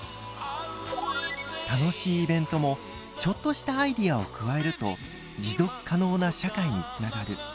楽しいイベントもちょっとしたアイデアを加えると持続可能な社会につながる。